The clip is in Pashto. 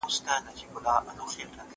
دا ځواب له هغه روښانه دی؟!